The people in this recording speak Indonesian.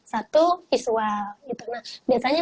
satu visual gitu nah biasanya